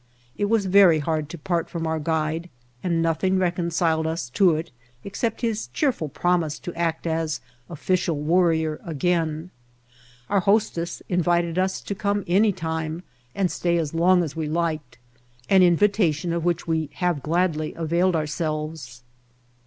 It was very hard to part from our guide, and noth ing reconciled us to it except his cheerful prom ise to act as Official Worrier again. Our host ess invited us to come any time and stay as long as we liked, an invitation of which we have gladly availed ourselves.